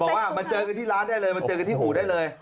บอกว่ามันเจอกันที่ร้านได้เลยมันเจอกันที่หูได้เลย